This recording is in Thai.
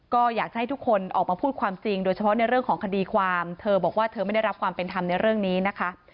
ก็อยากจะให้ทุกคนออกมาพูดความจริงโดยเฉพาะในเรื่องของคดีความเธอบอกว่าเธอไม่ได้รับความเป็นธรรมในเรื่องนี้นะคะ